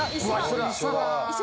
一緒だ。